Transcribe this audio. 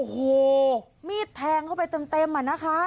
ห้ามีดแทงเข้าไปเต็มอ่ะนะคะโอ้โห